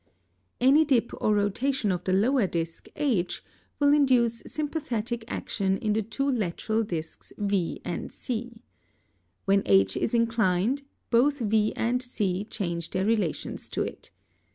Any dip or rotation of the lower disc H will induce sympathetic action in the two lateral discs V and C. When H is inclined, both V and C change their relations to it.